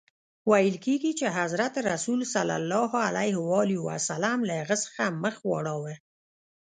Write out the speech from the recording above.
ویل کیږي چي حضرت رسول ص له هغه څخه مخ واړاوه.